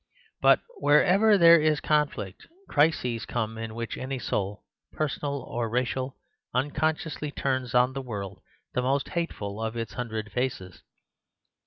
But wherever there is conflict, crises come in which any soul, personal or racial, unconsciously turns on the world the most hateful of its hundred faces.